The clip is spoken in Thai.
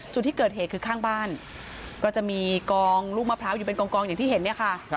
จุดที่เกิดเหตุคือข้างบ้านก็จะมีกองลูกมะพร้าวอยู่เป็นกองอย่างที่เห็นเนี่ยค่ะ